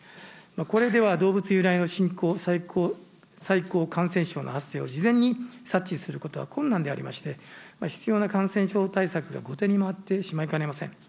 これでは動物由来の新興、さいこう感染症の発生を事前に察知することは困難でありまして、必要な感染症対策が後手に回ってしまいかねません。